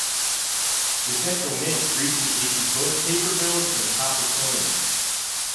The Central Mint briefly issued both paper bills and copper coins.